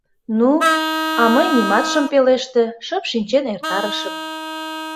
Ну, а мый нимат шым пелеште, шып шинчен эртарышым.